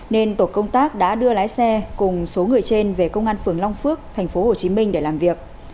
nên tổ công tác đã đưa lái xe cùng số người trên về công an phường long phước tp hcm để làm việc